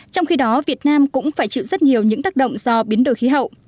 trong khi đó việt nam cũng phải chịu rất nhiều những tác động do biến đổi khí hậu